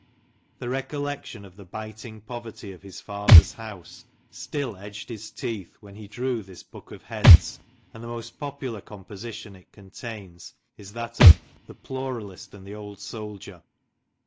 The recol lection of the biting poverty of his father's house still edged his teeth when he drew this Book of Heads, and the most popular composition it contains is, that of " The Pluralist and the Old Soldier."